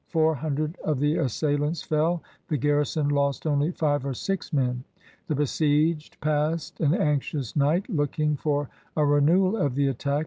Four hundred of the assailants fell. The garrison lost only five or six men. The besieged passed an anxious night, looking for a renewal of the attack.